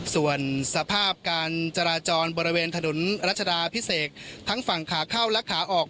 ส่วนสภาพการจราจรบริเวณถนนรัชดาพิเศษทั้งฝั่งขาเข้าและขาออก